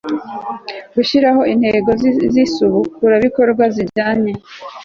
Gushyiraho intego z isubukurabikorwa zijyanye